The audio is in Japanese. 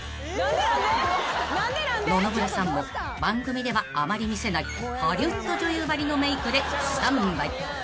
［野々村さんも番組ではあまり見せないハリウッド女優ばりのメイクでスタンバイ］